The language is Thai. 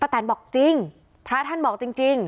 แตนบอกจริงพระท่านบอกจริง